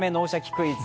クイズ」。